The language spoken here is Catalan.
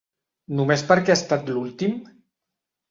Només perquè ha estat l'últim?